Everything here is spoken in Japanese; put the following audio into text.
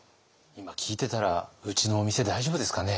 今聞いてたらうちのお店大丈夫ですかね。